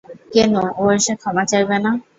কেন, ও এসে ক্ষমা চাইবে না?